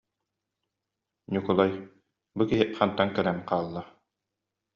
Ньукулай: «Бу киһи хантан кэлэн хаалла